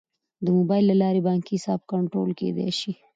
د موبایل له لارې بانکي حساب کنټرول کیدی شي.